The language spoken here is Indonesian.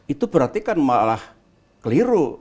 itu berarti kan malah keliru